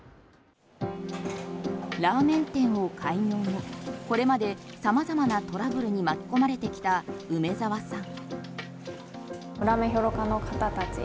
ラーメン店を開業後これまで様々なトラブルに巻き込まれてきた梅澤さん。